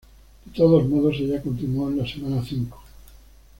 De todos modos, ella continuó en la semana cinco.